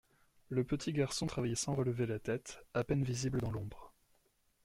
Le petit garçon travaillait sans relever la tête, à peine visible dans l’ombre.